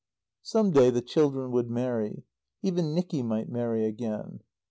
Some day the children would marry; even Nicky might marry again.